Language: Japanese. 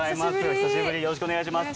久しぶりよろしくお願いします。